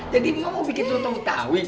jadi emak mau bikin soto betawi